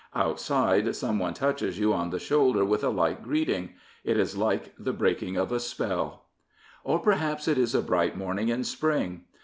Outside some one touches you on the shoulder with a light greeting. It is like the breaking of a spell. Or perhaps it is a bright morning in spring.